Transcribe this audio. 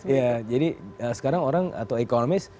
ya jadi sekarang orang atau economist